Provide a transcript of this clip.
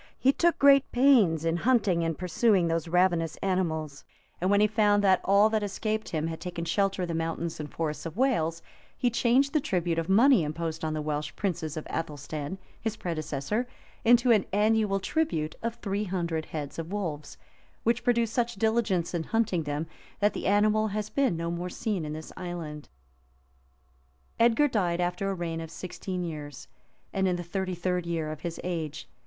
He took great pains in hunting and pursuing those ravenous animals; and when he found that all that escaped him had taken shelter in the mountains and forests of Wales, he changed the tribute of money imposed on the Welsh princes of Athelstan, his predecessor,[] into an annual tribute of three hundred heads of wolves; which produced such diligence in hunting them, that the animal has been no more seen in this island. [* W. Malms, lib. ii. cap. 8.] [ W. Malms, lib. ii. cap. 6. Brompton, p. 838,] Edgar died after a reign of sixteen years, and in the thirty third of his age.